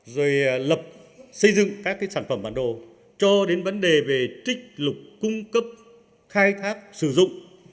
rồi lập xây dựng các sản phẩm bản đồ cho đến vấn đề về trích lục cung cấp khai thác sử dụng